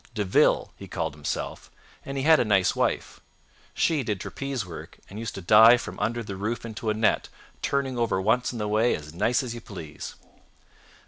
De Ville, he called himself, and he had a nice wife. She did trapeze work and used to dive from under the roof into a net, turning over once on the way as nice as you please.